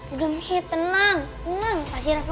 udah tenang tenang kasih aku